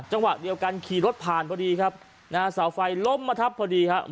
จังหวะเดียวกันขี่รถผ่านพอดีครับนะฮะเสาไฟล้มมาทับพอดีครับ